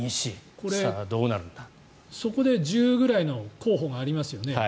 これ、そこで１０ぐらいの候補がありますよね。